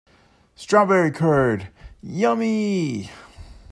Strawberry curd, yummy!